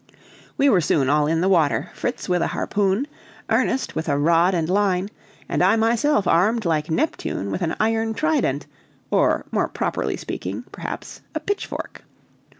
We were soon all in the water, Fritz with a harpoon, Ernest with a rod and line, and I myself, armed, like Neptune, with an iron trident, or more properly speaking, perhaps, a pitchfork.